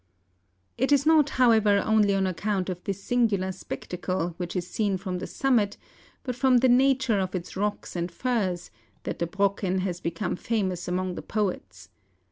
It is not, however, only on account of this sin gidar spectacle which is seen from the summit, but from the nature of its rocks and firs, that the 160 MOUNTAIN ADVENTUKES. Brocken has become famous among the poets.